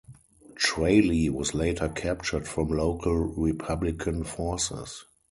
Tralee was later captured from local republican forces.